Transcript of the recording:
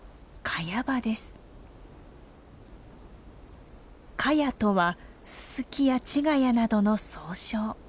カヤとはススキやチガヤなどの総称。